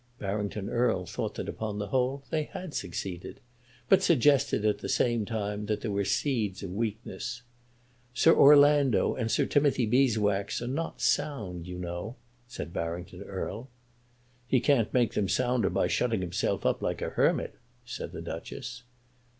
Barrington Erle thought that upon the whole they had succeeded; but suggested at the same time that there were seeds of weakness. "Sir Orlando and Sir Timothy Beeswax are not sound, you know," said Barrington Erle. "He can't make them sounder by shutting himself up like a hermit," said the Duchess.